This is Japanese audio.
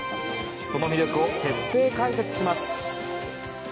その魅力を徹底解説します！